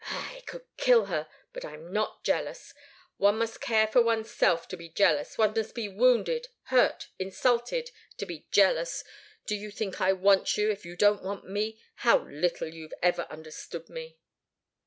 Ah I could kill her! But I'm not jealous. One must care for oneself to be jealous; one must be wounded, hurt, insulted, to be jealous! Do you think I want you, if you don't want me? How little you've ever understood me!"